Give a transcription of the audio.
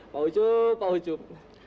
pak ucup pak ucup